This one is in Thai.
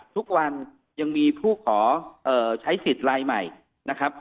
ทุกวันยังมีผู้ขอใช้สิทธิ์ลายใหม่นะครับ